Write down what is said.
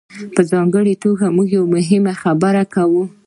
په ځانګړې توګه موږ یوه مهمه خبره کوو.